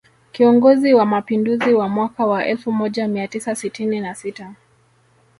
Kiongozi wa mapinduzi wa mwaka wa elfu moja mia tisa sitini na sita